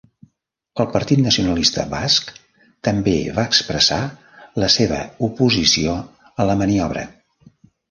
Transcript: El Partit Nacionalista Basc també va expressar la seva oposició a la maniobra.